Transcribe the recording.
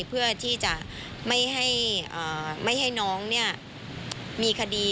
เพื่อที่จะไม่ให้น้องมีคดี